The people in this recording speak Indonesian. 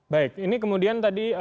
baik ini kemudian tadi